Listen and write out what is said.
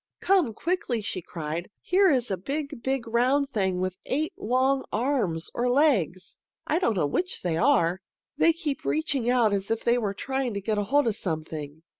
"Come quickly!" she cried. "Here is a big, big round thing with eight long arms, or legs, I don't know which they are. They keep reaching out as if they were trying to get hold of something.